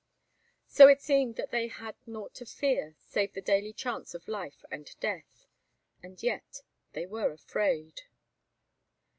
So it seemed that they had naught to fear, save the daily chance of life and death. And yet they were afraid.